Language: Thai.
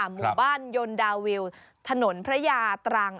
หมู่บ้านยนต์ดาวิวถนนพระยาตรัง